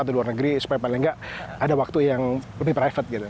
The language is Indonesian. atau di luar negeri supaya paling nggak ada waktu yang lebih private gitu